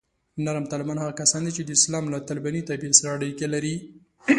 نرم طالبان هغه کسان دي چې د اسلام له طالباني تعبیر سره اړیکې لري